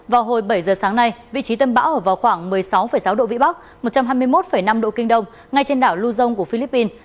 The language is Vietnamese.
vào hồi bảy giờ sáng nay vị trí tâm bão ở vào khoảng một mươi sáu sáu độ vĩ bắc một trăm hai mươi một năm độ kinh đông ngay trên đảo lưu dông của philippines